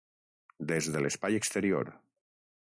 Des de l'Espai exterior.